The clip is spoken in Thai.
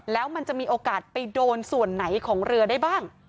แล้วมันจะมีโอกาสไปโดนส่วนไหนของเรือได้บ้าง